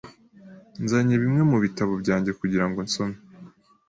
Nzanye bimwe mubitabo byanjye kugirango nsome